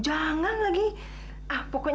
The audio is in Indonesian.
mudah mudahan neng desi mau sama den henry